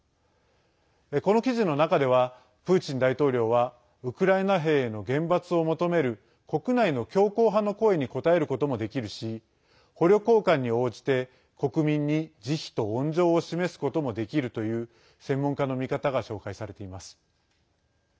この記事の中ではプーチン大統領はウクライナ兵への厳罰を求める国内の強硬派の声に応えることもできるし捕虜交換に応じて国民に慈悲と温情を示すこともできるという専門家の見方が紹介されています。